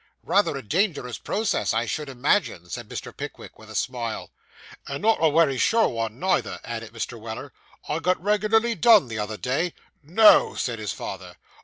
'Rather a dangerous process, I should imagine,' said Mr. Pickwick, with a smile. 'And not a wery sure one, neither,' added Mr. Weller; 'I got reg'larly done the other day.' 'No!' said his father.